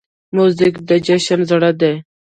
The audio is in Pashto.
موزیک د جشن زړه دی.